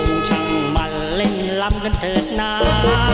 ช่างมันเล่นลำกันเถิดนะ